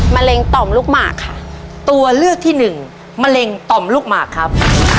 มะเร็งต่อมลูกหมากค่ะตัวเลือกที่หนึ่งมะเร็งต่อมลูกหมากครับ